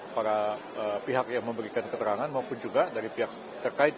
para pihak yang memberikan keterangan maupun juga dari pihak terkait